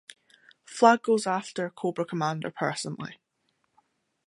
Flagg goes after Cobra Commander personally.